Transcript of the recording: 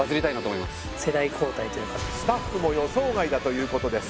スタッフも予想外だということです。